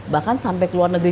bahkan sampai ke luar negeri